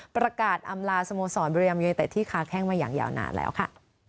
ประกาศอำลาสโมสรบริรัมยูเนเต็ดที่ค้าแข้งมาอย่างยาวนานแล้วค่ะ